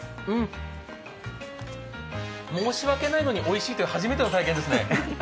うん、申し訳ないのにおいしいという初めての体験ですね。